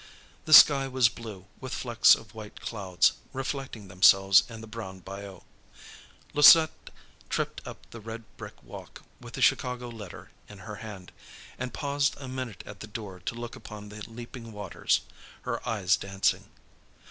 The sky was blue, with flecks of white clouds reflecting themselves in the brown bayou. Louisette tripped up the red brick walk with the Chicago letter in her hand, and paused a minute at the door to look upon the leaping waters, her eyes dancing.